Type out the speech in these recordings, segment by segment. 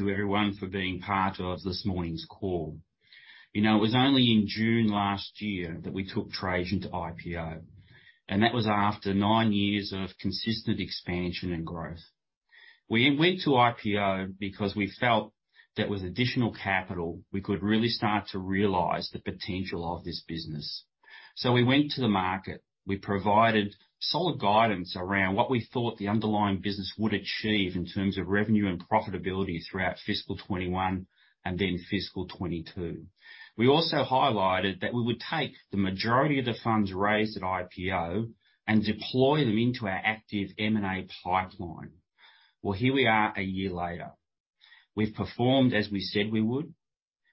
Thank you everyone for being part of this morning's call. You know, it was only in June last year that we took Trajan to IPO, and that was after 9 years of consistent expansion and growth. We went to IPO because we felt that with additional capital, we could really start to realize the potential of this business. We went to the market. We provided solid guidance around what we thought the underlying business would achieve in terms of revenue and profitability throughout fiscal 2021 and then fiscal 2022. We also highlighted that we would take the majority of the funds raised at IPO and deploy them into our active M&A pipeline. Well, here we are a year later. We've performed as we said we would.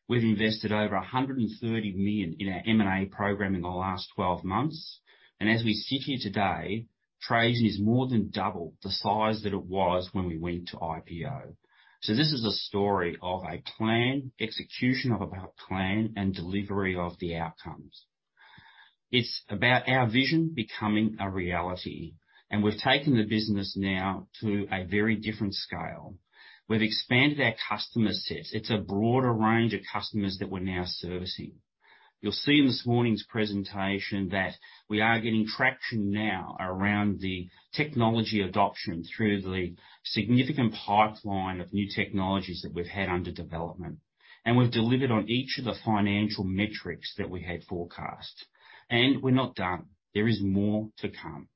We've invested over 130 million in our M&A program in the last 12 months. As we sit here today, Trajan is more than double the size that it was when we went to IPO. This is a story of a plan, execution of a plan, and delivery of the outcomes. It's about our vision becoming a reality. We've taken the business now to a very different scale. We've expanded our customer set. It's a broader range of customers that we're now servicing. You'll see in this morning's presentation that we are getting traction now around the technology adoption through the significant pipeline of new technologies that we've had under development. We've delivered on each of the financial metrics that we had forecast. We're not done. There is more to come.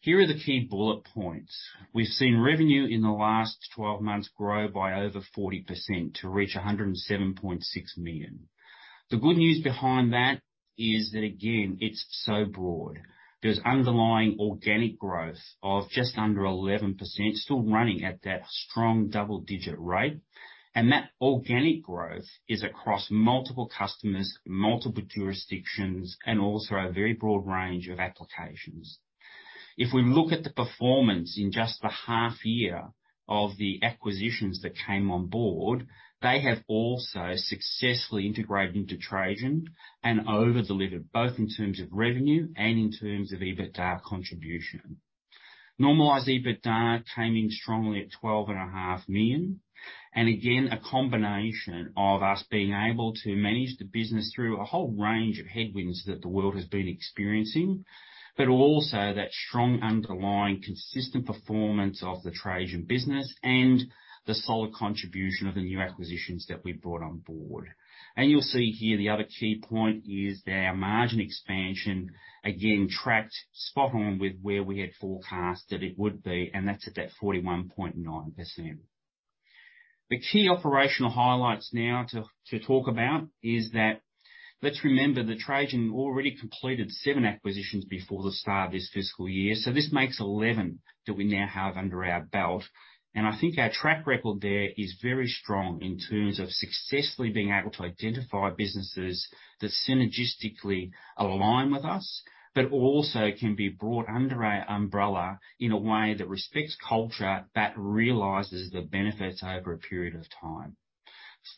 Here are the key bullet points. We've seen revenue in the last 12 months grow by over 40% to reach 107.6 million. The good news behind that is that again, it's so broad. There's underlying organic growth of just under 11%, still running at that strong double-digit rate. That organic growth is across multiple customers, multiple jurisdictions, and also a very broad range of applications. If we look at the performance in just the half year of the acquisitions that came on board, they have also successfully integrated into Trajan and over-delivered, both in terms of revenue and in terms of EBITDA contribution. Normalized EBITDA came in strongly at 12 and a half million. Again, a combination of us being able to manage the business through a whole range of headwinds that the world has been experiencing, but also that strong underlying consistent performance of the Trajan business and the solid contribution of the new acquisitions that we've brought on board. You'll see here the other key point is our margin expansion, again, tracked spot on with where we had forecasted it would be, and that's at that 41.9%. The key operational highlights now to talk about is that let's remember that Trajan already completed 7 acquisitions before the start of this fiscal year. This makes 11 that we now have under our belt. I think our track record there is very strong in terms of successfully being able to identify businesses that synergistically align with us, but also can be brought under our umbrella in a way that respects culture, that realizes the benefits over a period of time.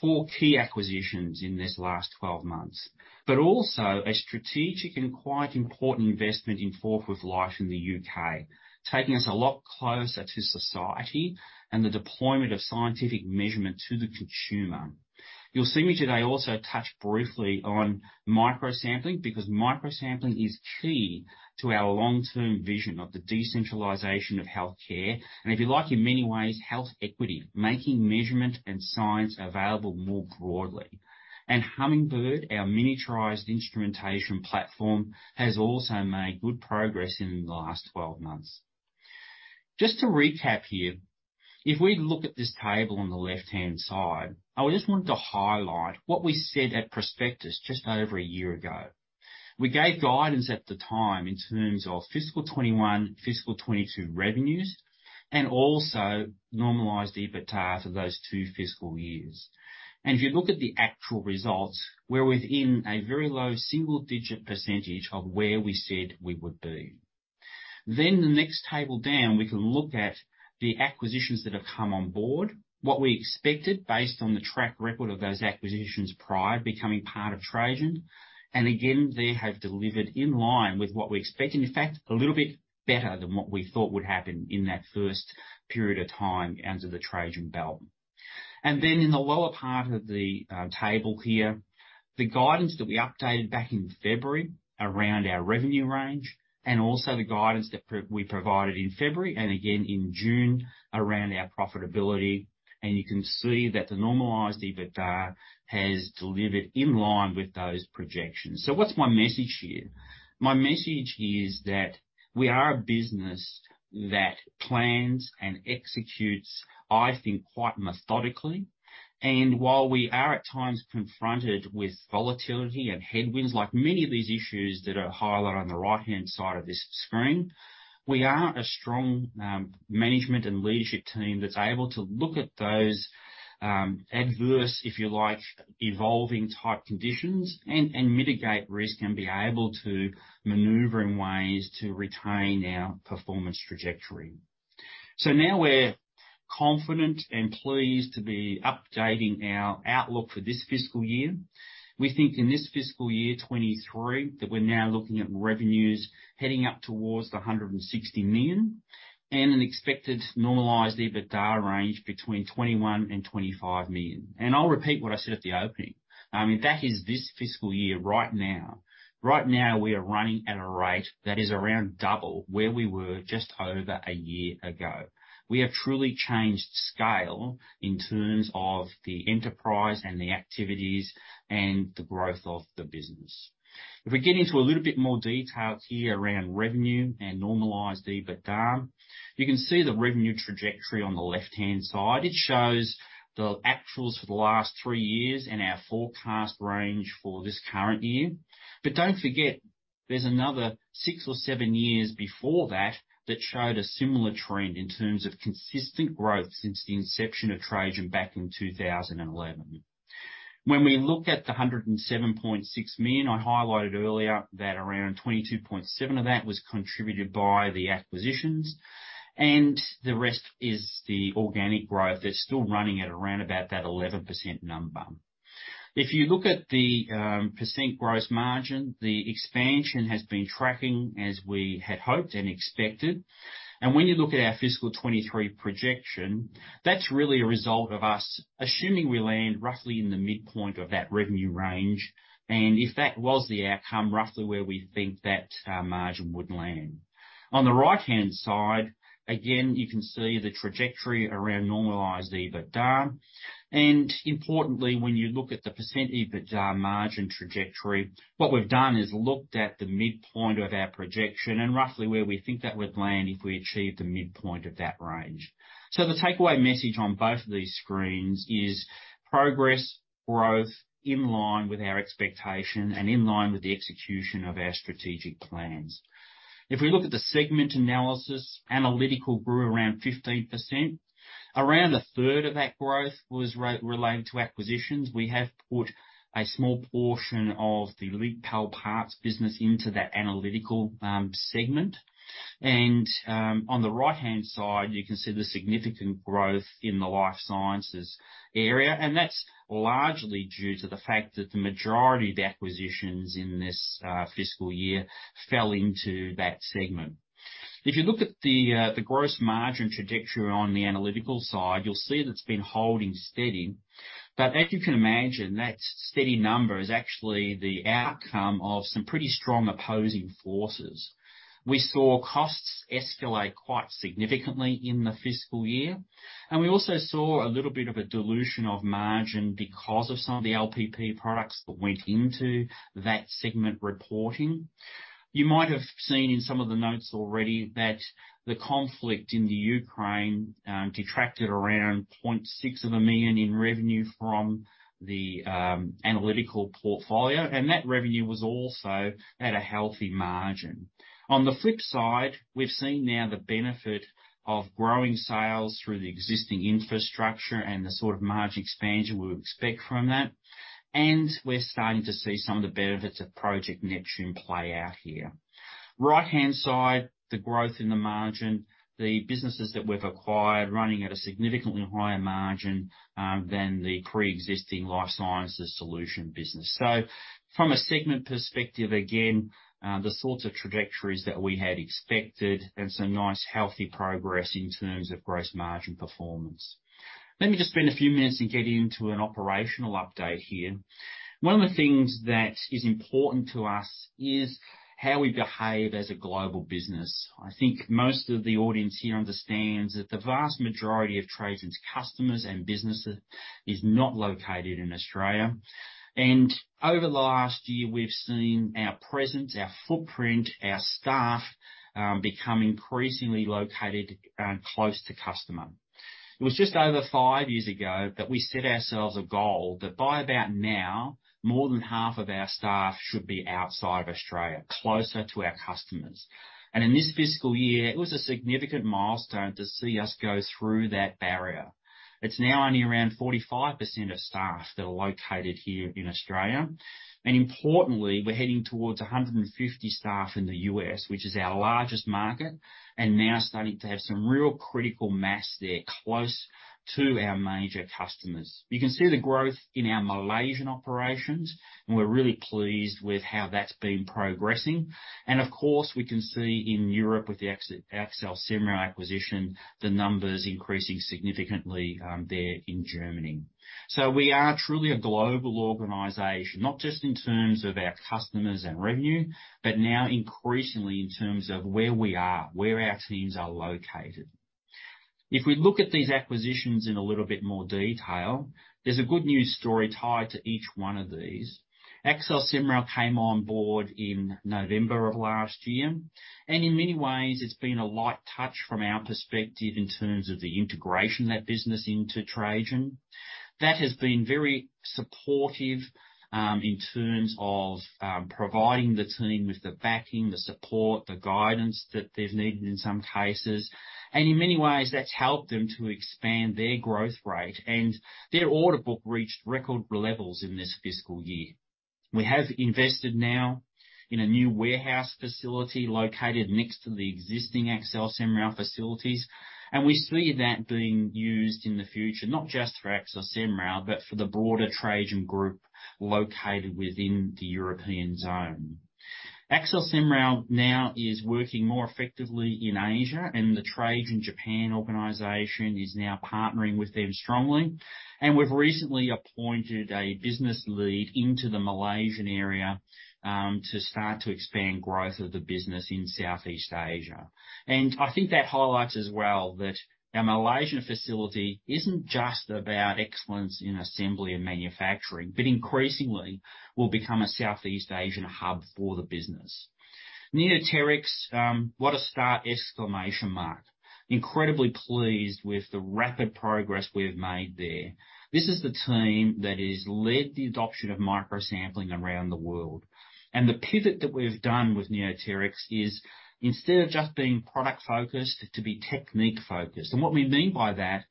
Four key acquisitions in this last 12 months, but also a strategic and quite important investment in Forth in the UK, taking us a lot closer to society and the deployment of scientific measurement to the consumer. You'll see me today also touch briefly on microsampling, because microsampling is key to our long-term vision of the decentralization of healthcare, and if you like, in many ways, health equity, making measurement and science available more broadly. Hummingbird, our miniaturized instrumentation platform, has also made good progress in the last 12 months. Just to recap here, if we look at this table on the left-hand side, I just wanted to highlight what we said at prospectus just over a year ago. We gave guidance at the time in terms of FY21, FY22 revenues, and also normalized EBITDA for those two fiscal years. If you look at the actual results, we're within a very low single-digit percentage of where we said we would be. The next table down, we can look at the acquisitions that have come on board, what we expected based on the track record of those acquisitions prior to becoming part of Trajan. Again, they have delivered in line with what we expected. In fact, a little bit better than what we thought would happen in that first period of time under the Trajan belt. In the lower part of the table here, the guidance that we updated back in February around our revenue range and also the guidance that we provided in February and again in June around our profitability. You can see that the normalized EBITDA has delivered in line with those projections. What's my message here? My message is that we are a business that plans and executes, I think, quite methodically. While we are at times confronted with volatility and headwinds, like many of these issues that are highlighted on the right-hand side of this screen, we are a strong management and leadership team that's able to look at those adverse, if you like, evolving type conditions and mitigate risk and be able to maneuver in ways to retain our performance trajectory. Now we're confident and pleased to be updating our outlook for this fiscal year. We think in this fiscal year 2023 that we're now looking at revenues heading up towards 160 million. An expected normalized EBITDA range between 21 million and 25 million. I'll repeat what I said at the opening. I mean, that is this fiscal year right now. Right now, we are running at a rate that is around double where we were just over a year ago. We have truly changed scale in terms of the enterprise and the activities and the growth of the business. If we get into a little bit more details here around revenue and normalized EBITDA, you can see the revenue trajectory on the left-hand side. It shows the actuals for the last three years and our forecast range for this current year. Don't forget, there's another six or seven years before that showed a similar trend in terms of consistent growth since the inception of Trajan back in 2011. When we look at the 107.6 million, I highlighted earlier that around 22.7 of that was contributed by the acquisitions, and the rest is the organic growth that's still running at around about that 11% number. If you look at the % gross margin, the expansion has been tracking as we had hoped and expected. When you look at our fiscal 2023 projection, that's really a result of us assuming we land roughly in the midpoint of that revenue range. If that was the outcome, roughly where we think that margin would land. On the right-hand side, again, you can see the trajectory around normalized EBITDA. Importantly, when you look at the percent EBITDA margin trajectory, what we've done is looked at the midpoint of our projection and roughly where we think that would land if we achieve the midpoint of that range. The takeaway message on both of these screens is progress, growth, in line with our expectation and in line with the execution of our strategic plans. If we look at the segment analysis, analytical grew around 15%. Around a third of that growth was related to acquisitions. We have put a small portion of the LEAP PAL Parts business into that analytical segment. On the right-hand side, you can see the significant growth in the life sciences area, and that's largely due to the fact that the majority of the acquisitions in this fiscal year fell into that segment. If you look at the gross margin trajectory on the analytical side, you'll see that it's been holding steady. As you can imagine, that steady number is actually the outcome of some pretty strong opposing forces. We saw costs escalate quite significantly in the fiscal year, and we also saw a little bit of a dilution of margin because of some of the LPP products that went into that segment reporting. You might have seen in some of the notes already that the conflict in the Ukraine detracted around 0.6 million in revenue from the analytical portfolio, and that revenue was also at a healthy margin. On the flip side, we've seen now the benefit of growing sales through the existing infrastructure and the sort of margin expansion we would expect from that, and we're starting to see some of the benefits of Project Neptune play out here. Right-hand side, the growth in the margin, the businesses that we've acquired running at a significantly higher margin than the pre-existing life sciences solution business. From a segment perspective, again, the sorts of trajectories that we had expected and some nice healthy progress in terms of gross margin performance. Let me just spend a few minutes in getting into an operational update here. One of the things that is important to us is how we behave as a global business. I think most of the audience here understands that the vast majority of Trajan's customers and businesses is not located in Australia. Over the last year, we've seen our presence, our footprint, our staff, become increasingly located close to customer. It was just over five years ago that we set ourselves a goal that by about now, more than half of our staff should be outside of Australia, closer to our customers. In this fiscal year, it was a significant milestone to see us go through that barrier. It's now only around 45% of staff that are located here in Australia. Importantly, we're heading towards 150 staff in the U.S., which is our largest market and now starting to have some real critical mass there close to our major customers. You can see the growth in our Malaysian operations, and we're really pleased with how that's been progressing. Of course, we can see in Europe with the Axel Semrau acquisition, the numbers increasing significantly there in Germany. We are truly a global organization, not just in terms of our customers and revenue, but now increasingly in terms of where we are, where our teams are located. If we look at these acquisitions in a little bit more detail, there's a good news story tied to each one of these. Axel Semrau came on board in November of last year, and in many ways, it's been a light touch from our perspective in terms of the integration of that business into Trajan. That has been very supportive in terms of providing the team with the backing, the support, the guidance that's needed in some cases. In many ways, that's helped them to expand their growth rate. Their order book reached record levels in this fiscal year. We have invested now in a new warehouse facility located next to the existing Axel Semrau facilities. We see that being used in the future, not just for Axel Semrau, but for the broader Trajan Group located within the European zone. Axel Semrau now is working more effectively in Asia, and the Trajan Japan organization is now partnering with them strongly. We've recently appointed a business lead into the Malaysian area, to start to expand growth of the business in Southeast Asia. I think that highlights as well that our Malaysian facility isn't just about excellence in assembly and manufacturing, but increasingly will become a Southeast Asian hub for the business. Neoteryx. What a start. Incredibly pleased with the rapid progress we've made there. This is the team that has led the adoption of microsampling around the world. The pivot that we've done with Neoteryx is, instead of just being product focused, to be technique focused. What we mean by that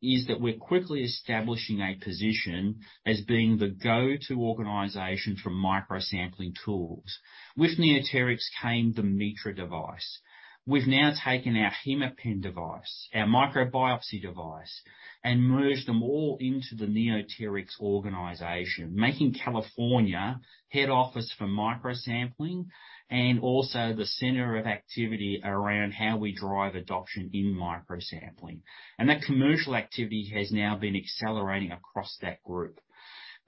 is that we're quickly establishing a position as being the go-to organization for microsampling tools. With Neoteryx came the Mitra device. We've now taken our hemaPEN device, our microbiopsy device, and merged them all into the Neoteryx organization, making California head office for microsampling and also the center of activity around how we drive adoption in microsampling. That commercial activity has now been accelerating across that group.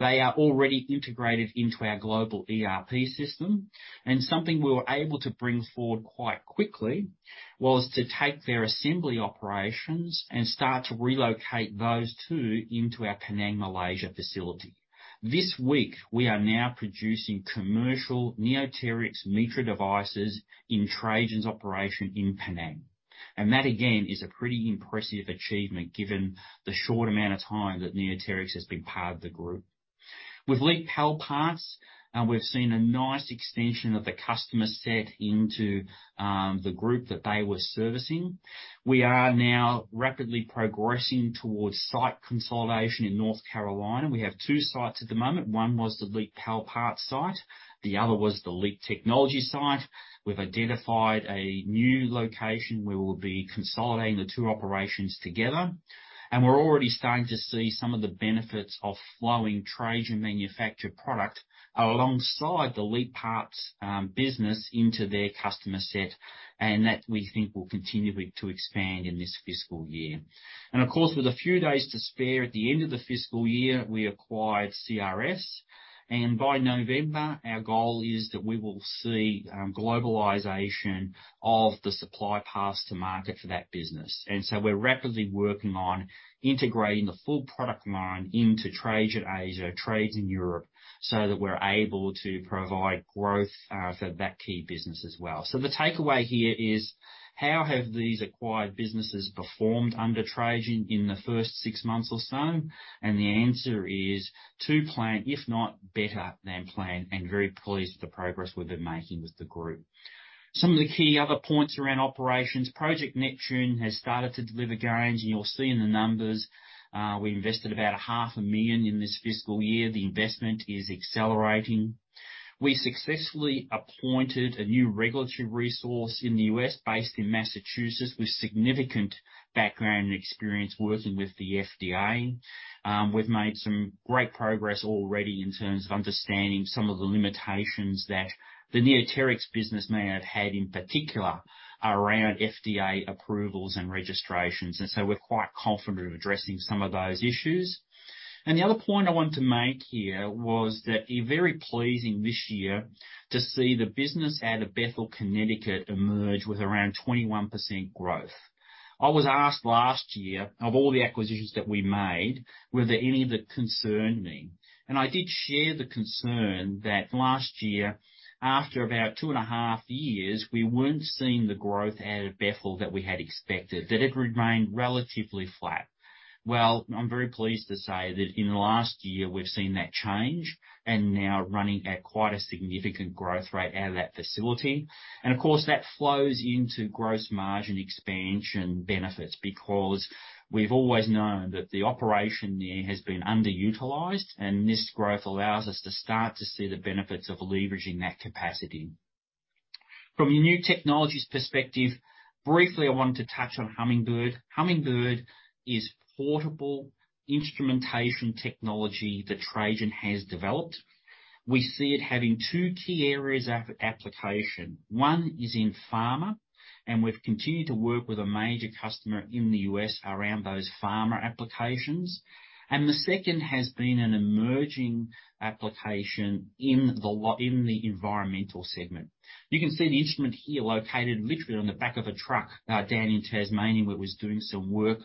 They are already integrated into our global ERP system, and something we were able to bring forward quite quickly was to take their assembly operations and start to relocate those too into our Penang, Malaysia facility. This week, we are now producing commercial Neoteryx Mitra devices in Trajan's operation in Penang. That, again, is a pretty impressive achievement given the short amount of time that Neoteryx has been part of the group. With LEAP PAL Parts, we've seen a nice extension of the customer set into the group that they were servicing. We are now rapidly progressing towards site consolidation in North Carolina. We have two sites at the moment. One was the LEAP PAL Parts site, the other was the LEAP Technologies site. We've identified a new location where we'll be consolidating the two operations together, and we're already starting to see some of the benefits of flowing Trajan manufactured product alongside the LEAP Parts business into their customer set, and that we think will continue to expand in this fiscal year. Of course, with a few days to spare at the end of the fiscal year, we acquired CRS. By November, our goal is that we will see globalization of the supply paths to market for that business. We're rapidly working on integrating the full product line into Trajan Asia, Trajan Europe, so that we're able to provide growth for that key business as well. The takeaway here is, how have these acquired businesses performed under Trajan in the first six months or so? The answer is as planned, if not better than planned, and very pleased with the progress we've been making with the group. Some of the key other points around operations. Project Neptune has started to deliver gains, and you'll see in the numbers, we invested about AUD half a million in this fiscal year. The investment is accelerating. We successfully appointed a new regulatory resource in the US, based in Massachusetts, with significant background and experience working with the FDA. We've made some great progress already in terms of understanding some of the limitations that the Neoteryx business may have had in particular around FDA approvals and registrations. We're quite confident of addressing some of those issues. The other point I wanted to make here was that it was very pleasing this year to see the business out of Bethel, Connecticut, emerge with around 21% growth. I was asked last year, of all the acquisitions that we made, were there any that concerned me? I did share the concern that last year, after about 2.5 years, we weren't seeing the growth out of Bethel that we had expected, that it remained relatively flat. Well, I'm very pleased to say that in the last year we've seen that change and now running at quite a significant growth rate out of that facility. Of course, that flows into gross margin expansion benefits because we've always known that the operation there has been underutilized, and this growth allows us to start to see the benefits of leveraging that capacity. From a new technologies perspective, briefly, I wanted to touch on Hummingbird. Hummingbird is portable instrumentation technology that Trajan has developed. We see it having two key areas of application. One is in pharma, and we've continued to work with a major customer in the U.S. around those pharma applications. The second has been an emerging application in the environmental segment. You can see the instrument here located literally on the back of a truck, down in Tasmania, where it was doing some work,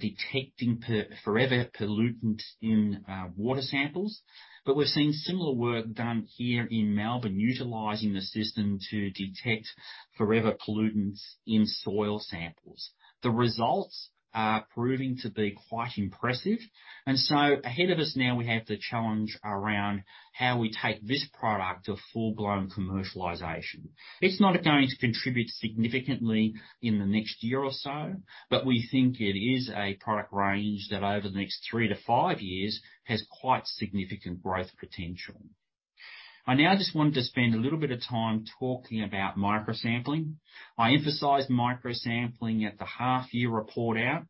detecting forever pollutants in water samples. We're seeing similar work done here in Melbourne, utilizing the system to detect forever pollutants in soil samples. The results are proving to be quite impressive. Ahead of us now we have the challenge around how we take this product to full-blown commercialization. It's not going to contribute significantly in the next year or so, but we think it is a product range that over the next three to five years has quite significant growth potential. I now just wanted to spend a little bit of time talking about microsampling. I emphasized microsampling at the half year report out.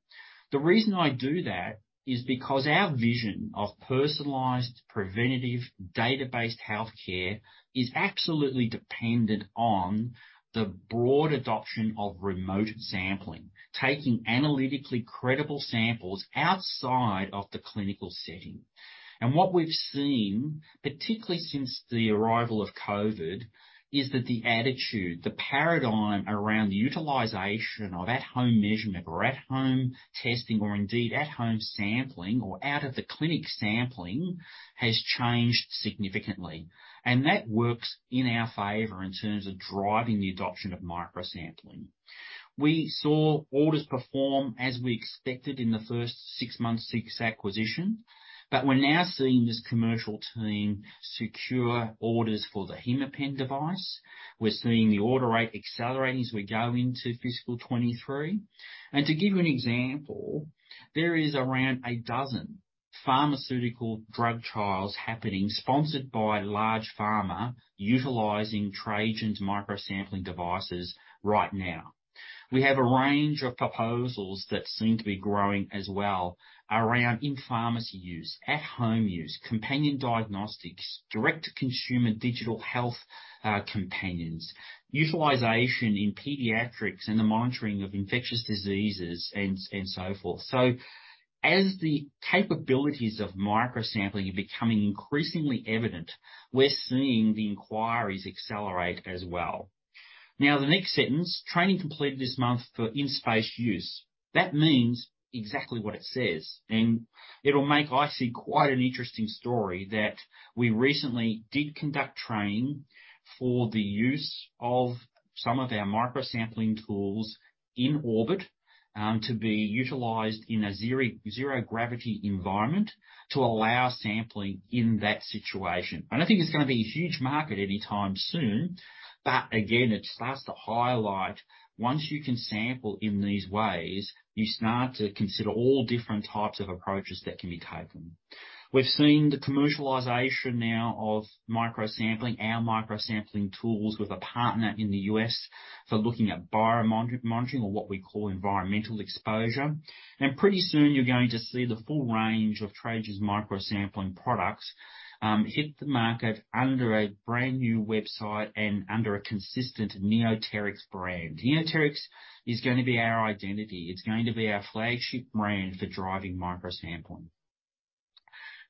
The reason I do that is because our vision of personalized preventative data-based healthcare is absolutely dependent on the broad adoption of remote sampling, taking analytically credible samples outside of the clinical setting. What we've seen, particularly since the arrival of COVID, is that the attitude, the paradigm around the utilization of at home measurement or at home testing, or indeed at home sampling or out of the clinic sampling, has changed significantly. That works in our favor in terms of driving the adoption of microsampling. We saw orders perform as we expected in the first six months since acquisition, but we're now seeing this commercial team secure orders for the hemaPEN device. We're seeing the order rate accelerating as we go into fiscal 2023. To give you an example, there is around a dozen pharmaceutical drug trials happening, sponsored by large pharma, utilizing Trajan's microsampling devices right now. We have a range of proposals that seem to be growing as well around in pharmacy use, at home use, companion diagnostics, direct to consumer digital health, companions, utilization in pediatrics and the monitoring of infectious diseases and so forth. As the capabilities of microsampling are becoming increasingly evident, we're seeing the inquiries accelerate as well. Now, the next sentence, training completed this month for in-space use. That means exactly what it says, and it'll make, I see, quite an interesting story that we recently did conduct training for the use of some of our microsampling tools in orbit, to be utilized in a zero gravity environment to allow sampling in that situation. I don't think it's gonna be a huge market any time soon, but again, it starts to highlight, once you can sample in these ways, you start to consider all different types of approaches that can be taken. We've seen the commercialization now of microsampling, our microsampling tools with a partner in the US for looking at biomonitoring or what we call environmental exposure. Pretty soon you're going to see the full range of Trajan's microsampling products hit the market under a brand new website and under a consistent Neoteryx brand. Neoteryx is gonna be our identity. It's going to be our flagship brand for driving microsampling.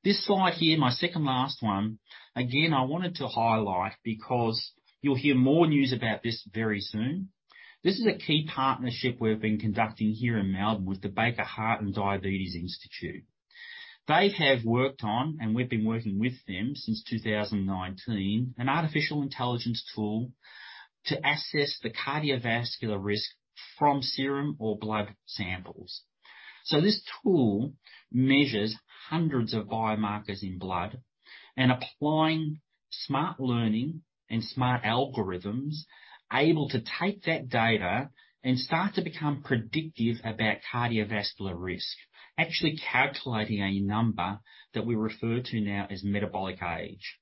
This slide here, my second last one, again, I wanted to highlight because you'll hear more news about this very soon. This is a key partnership we've been conducting here in Melbourne with the Baker Heart and Diabetes Institute. They have worked on, and we've been working with them since 2019, an artificial intelligence tool to assess the cardiovascular risk from serum or blood samples. This tool measures hundreds of biomarkers in blood and applying smart learning and smart algorithms, able to take that data and start to become predictive about cardiovascular risk. Actually calculating a number that we refer to now as metabolic age.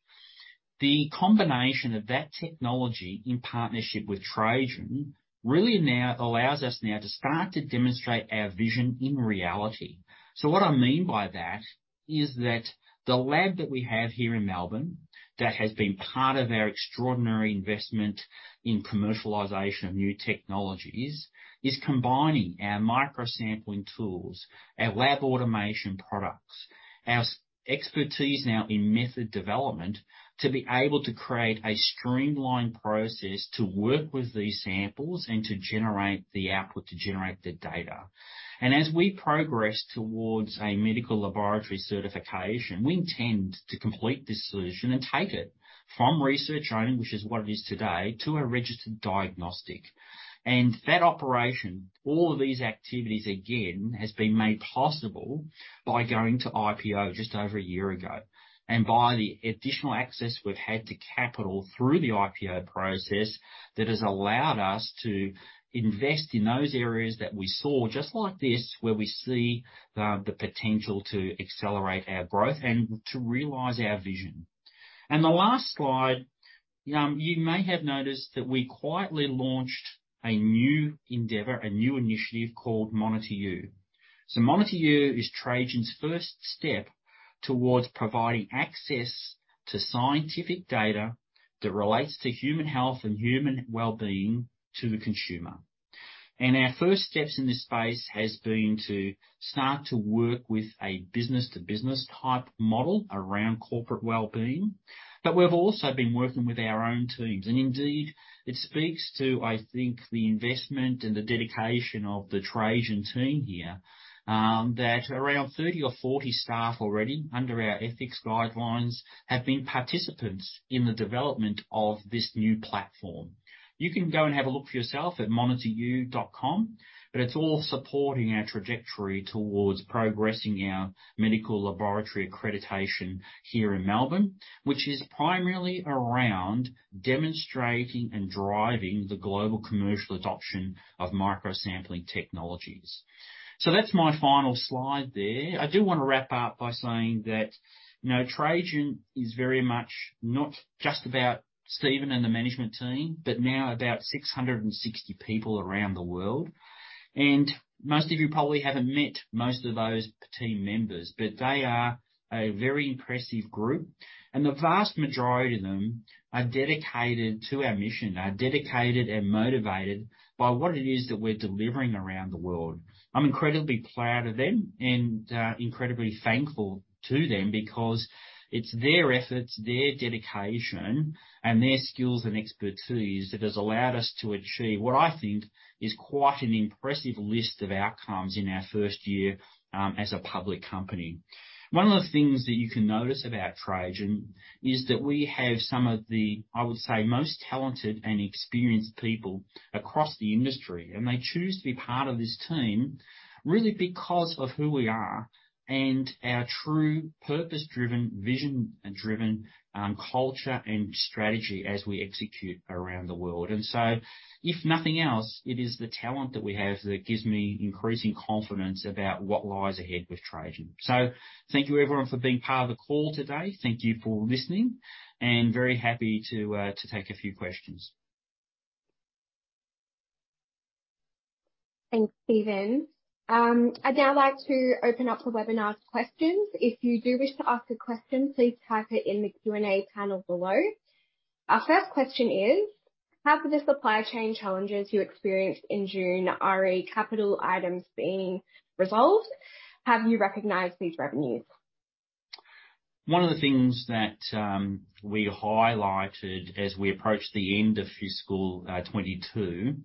The combination of that technology in partnership with Trajan really now allows us now to start to demonstrate our vision in reality. What I mean by that is that the lab that we have here in Melbourne, that has been part of our extraordinary investment in commercialization of new technologies, is combining our microsampling tools, our lab automation products, our expertise now in method development, to be able to create a streamlined process to work with these samples and to generate the output, to generate the data. As we progress towards a medical laboratory certification, we intend to complete this solution and take it from research only, which is what it is today, to a registered diagnostic. That operation, all of these activities again, has been made possible by going to IPO just over a year ago, and by the additional access we've had to capital through the IPO process that has allowed us to invest in those areas that we saw, just like this, where we see the potential to accelerate our growth and to realize our vision. The last slide, you may have noticed that we quietly launched a new endeavor, a new initiative called MonitorYou. MonitorYou is Trajan's first step towards providing access to scientific data that relates to human health and human well-being to the consumer. Our first steps in this space has been to start to work with a business to business type model around corporate well-being. We've also been working with our own teams. Indeed, it speaks to, I think, the investment and the dedication of the Trajan team here, that around 30 or 40 staff already, under our ethics guidelines, have been participants in the development of this new platform. You can go and have a look for yourself at MonitorYou.com, but it's all supporting our trajectory towards progressing our medical laboratory accreditation here in Melbourne, which is primarily around demonstrating and driving the global commercial adoption of microsampling technologies. That's my final slide there. I do wanna wrap up by saying that, you know, Trajan is very much not just about Stephen and the management team, but now about 660 people around the world. Most of you probably haven't met most of those team members, but they are a very impressive group. The vast majority of them are dedicated to our mission and motivated by what it is that we're delivering around the world. I'm incredibly proud of them and incredibly thankful to them because it's their efforts, their dedication, and their skills and expertise that has allowed us to achieve what I think is quite an impressive list of outcomes in our first year as a public company. One of the things that you can notice about Trajan is that we have some of the, I would say, most talented and experienced people across the industry, and they choose to be part of this team really because of who we are and our true purpose-driven, vision-driven, culture and strategy as we execute around the world. If nothing else, it is the talent that we have that gives me increasing confidence about what lies ahead with Trajan. Thank you everyone for being part of the call today. Thank you for listening and very happy to take a few questions. Thanks, Stephen. I'd now like to open up the webinar to questions. If you do wish to ask a question, please type it in the Q&A panel below. Our first question is: How are the supply chain challenges you experienced in June re capital items being resolved? Have you recognized these revenues? One of the things that we highlighted as we approached the end of fiscal 2022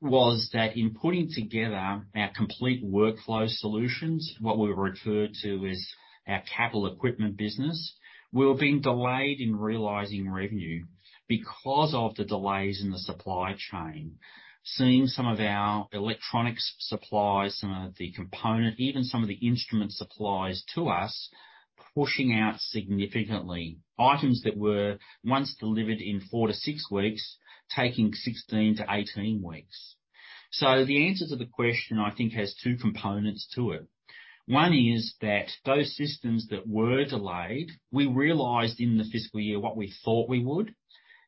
was that in putting together our complete workflow solutions, what we referred to as our capital equipment business, we were being delayed in realizing revenue because of the delays in the supply chain. Seeing some of our electronics suppliers, some of the component, even some of the instrument suppliers to us, pushing out significantly. Items that were once delivered in 4-6 weeks, taking 16-18 weeks. The answer to the question I think has two components to it. One is that those systems that were delayed, we realized in the fiscal year what we thought we would,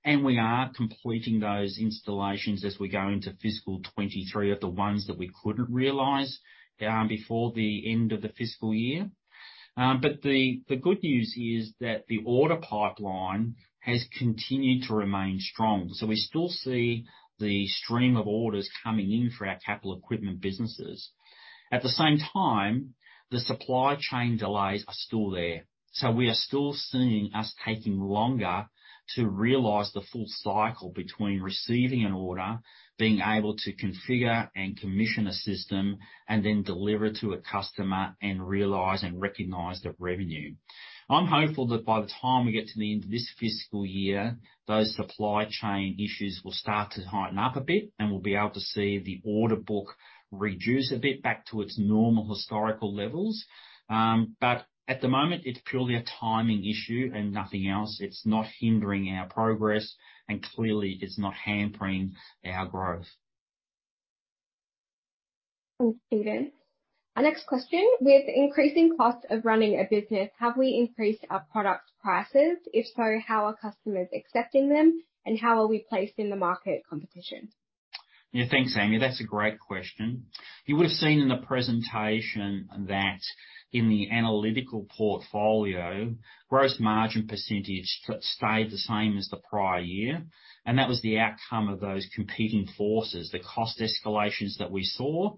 and we are completing those installations as we go into fiscal 2023 of the ones that we couldn't realize before the end of the fiscal year. The good news is that the order pipeline has continued to remain strong, so we still see the stream of orders coming in for our capital equipment businesses. At the same time, the supply chain delays are still there, so we are still seeing us taking longer to realize the full cycle between receiving an order, being able to configure and commission a system, and then deliver to a customer and realize and recognize that revenue. I'm hopeful that by the time we get to the end of this fiscal year, those supply chain issues will start to heighten up a bit, and we'll be able to see the order book reduce a bit back to its normal historical levels. At the moment it's purely a timing issue and nothing else. It's not hindering our progress and clearly it's not hampering our growth. Thanks, Stephen. Our next question. With increasing costs of running a business, have we increased our product prices? If so, how are customers accepting them and how are we placed in the market competition? Yeah, thanks, Amy. That's a great question. You would have seen in the presentation that in the analytical portfolio, gross margin percentage stayed the same as the prior year, and that was the outcome of those competing forces, the cost escalations that we saw,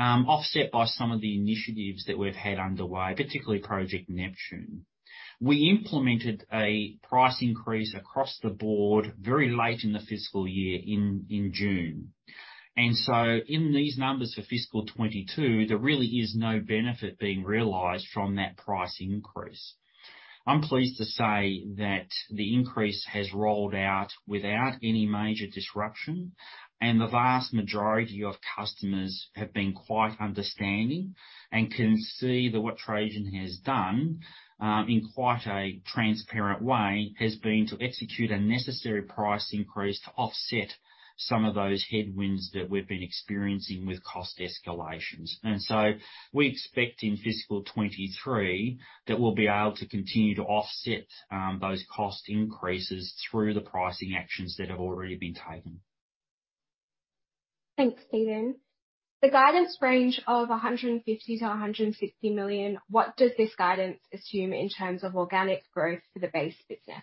offset by some of the initiatives that we've had underway, particularly Project Neptune.We implemented a price increase across the board very late in the fiscal year in June. In these numbers for fiscal 2022, there really is no benefit being realized from that price increase. I'm pleased to say that the increase has rolled out without any major disruption, and the vast majority of customers have been quite understanding and can see that what Trajan has done, in quite a transparent way, has been to execute a necessary price increase to offset some of those headwinds that we've been experiencing with cost escalations. We expect in fiscal 2023 that we'll be able to continue to offset those cost increases through the pricing actions that have already been taken. Thanks, Stephen. The guidance range of 150 million-150 million, what does this guidance assume in terms of organic growth for the base business?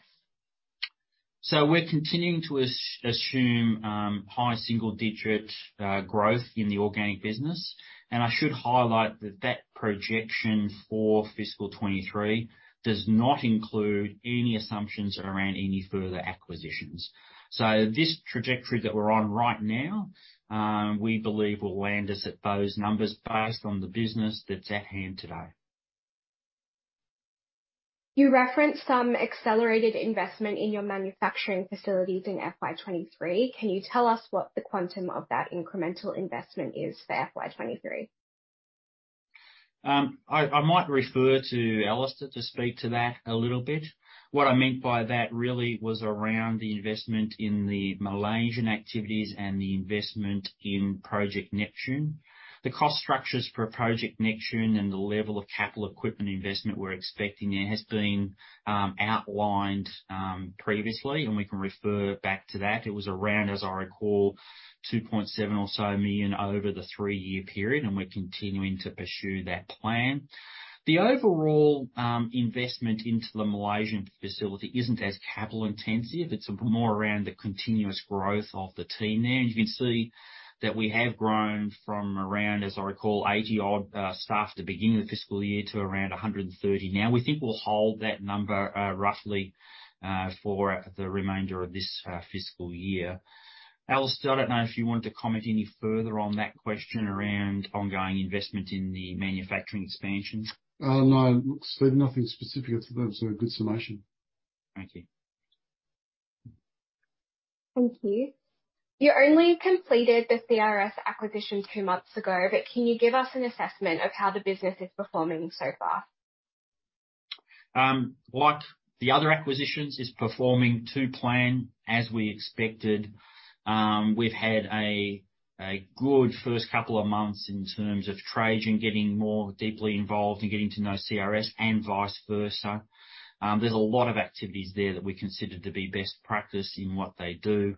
We're continuing to assume high single-digit growth in the organic business. I should highlight that projection for fiscal 2023 does not include any assumptions around any further acquisitions. This trajectory that we're on right now, we believe will land us at those numbers based on the business that's at hand today. You referenced some accelerated investment in your manufacturing facilities in FY23. Can you tell us what the quantum of that incremental investment is for FY23? I might refer to Alister to speak to that a little bit. What I meant by that really was around the investment in the Malaysian activities and the investment in Project Neptune. The cost structures for Project Neptune and the level of capital equipment investment we're expecting there has been outlined previously, and we can refer back to that. It was around, as I recall, 2.7 million or so over the three-year period, and we're continuing to pursue that plan. The overall investment into the Malaysian facility isn't as capital intensive. It's more around the continuous growth of the team there. You can see that we have grown from around, as I recall, 80-odd staff at the beginning of the fiscal year to around 130 now. We think we'll hold that number, roughly, for the remainder of this fiscal year. Alister, I don't know if you want to comment any further on that question around ongoing investment in the manufacturing expansion. No. Looks like nothing specific. That's a good summation. Thank you. Thank you. You only completed the CRS acquisition two months ago, but can you give us an assessment of how the business is performing so far? Like the other acquisitions, it's performing to plan as we expected. We've had a good first couple of months in terms of Trajan getting more deeply involved and getting to know CRS and vice versa. There's a lot of activities there that we consider to be best practice in what they do.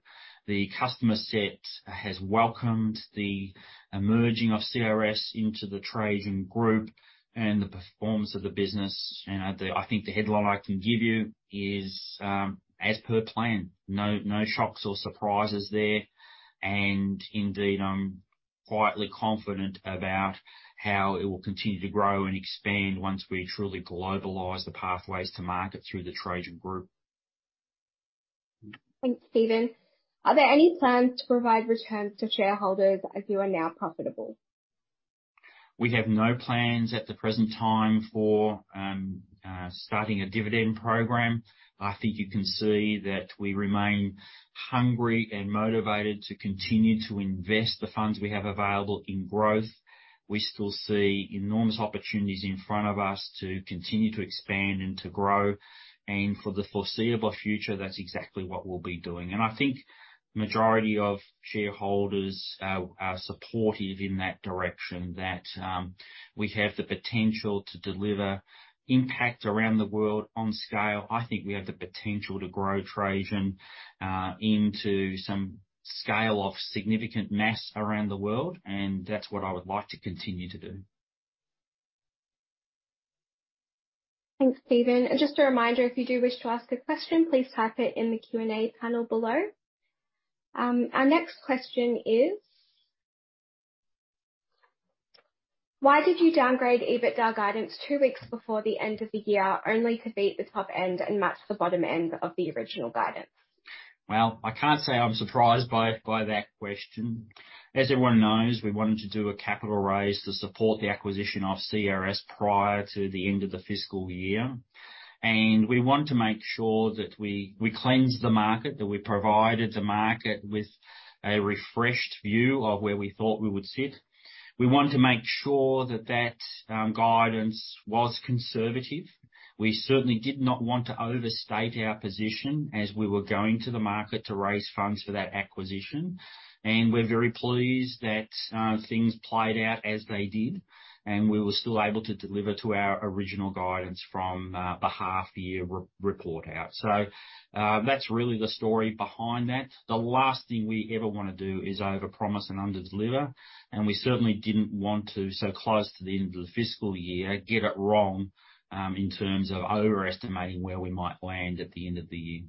The customer set has welcomed the emerging of CRS into the Trajan Group and the performance of the business. You know, I think the headline I can give you is, as per plan. No, no shocks or surprises there. Indeed, I'm quietly confident about how it will continue to grow and expand once we truly globalize the pathways to market through the Trajan Group. Thanks, Stephen. Are there any plans to provide returns to shareholders as you are now profitable? We have no plans at the present time for starting a dividend program. I think you can see that we remain hungry and motivated to continue to invest the funds we have available in growth. We still see enormous opportunities in front of us to continue to expand and to grow. For the foreseeable future, that's exactly what we'll be doing. I think majority of shareholders are supportive in that direction, that we have the potential to deliver impact around the world on scale. I think we have the potential to grow Trajan into some scale of significant mass around the world, and that's what I would like to continue to do. Thanks, Stephen. Just a reminder, if you do wish to ask a question, please type it in the Q&A panel below. Our next question is, why did you downgrade EBITDA guidance two weeks before the end of the year, only to beat the top end and match the bottom end of the original guidance? Well, I can't say I'm surprised by that question. As everyone knows, we wanted to do a capital raise to support the acquisition of CRS prior to the end of the fiscal year. We want to make sure that we cleansed the market, that we provided the market with a refreshed view of where we thought we would sit. We want to make sure that guidance was conservative. We certainly did not want to overstate our position as we were going to the market to raise funds for that acquisition. We're very pleased that things played out as they did, and we were still able to deliver to our original guidance from the half-year report. That's really the story behind that. The last thing we ever wanna do is overpromise and underdeliver, and we certainly didn't want to, so close to the end of the fiscal year, get it wrong, in terms of overestimating where we might land at the end of the year.